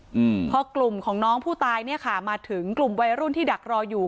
อืมพอกลุ่มของน้องผู้ตายเนี้ยค่ะมาถึงกลุ่มวัยรุ่นที่ดักรออยู่